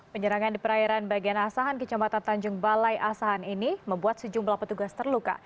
penyerangan di perairan bagian asahan kecamatan tanjung balai asahan ini membuat sejumlah petugas terluka